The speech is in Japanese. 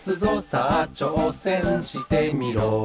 「さあちょうせんしてみろ」